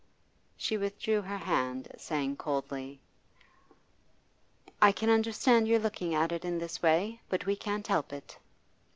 She withdrew her hand, saying coldly: 'I can understand your looking at it in this way. But we can't help it.